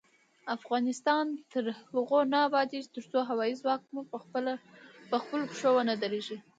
افغانستان تر هغو نه ابادیږي، ترڅو هوايي ځواک مو پخپلو پښو ونه دریږي.